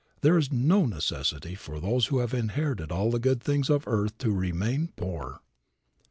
There is no necessity for those who have inherited all the good things of the earth to remain poor.